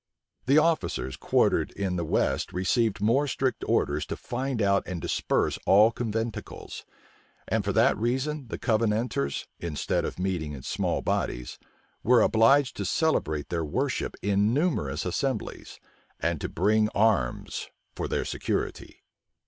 The officers quartered in the west received more strict orders to find out and disperse all conventicles; and for that reason the Covenanters, instead of meeting in small bodies, were obliged to celebrate their worship in numerous assemblies, and to bring arms for their security.